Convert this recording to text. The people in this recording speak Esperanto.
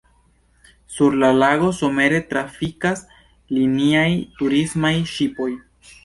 Sur la lago somere trafikas liniaj turismaj ŝipoj.